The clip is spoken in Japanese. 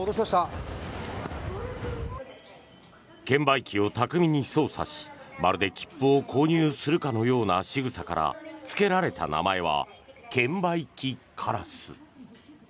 券売機を巧みに操作しまるで切符を購入するかのようなしぐさからつけられた名前は券売機カラス。